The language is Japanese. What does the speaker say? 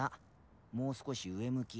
もう少し上向き。